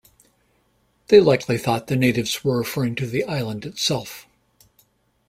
They likely thought the natives were referring to the island itself.